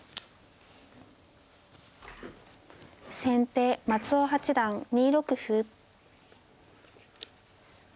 先手松尾八段２六歩。